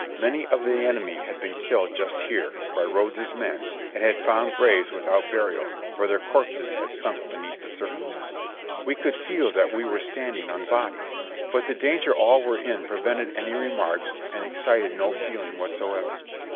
Many of the enemy had been killed just here, by Rodes's men, and had found graves without burial, for their corpses had sunk beneath the surface. We could 138 JOHNNY RKB AND BIIvIyY YANK feel that we were standing on bodies, but the danger all were in prevented any remarks and excited no feeling whatsoever.